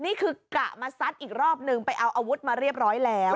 นี่คือกะมาซัดอีกรอบนึงไปเอาอาวุธมาเรียบร้อยแล้ว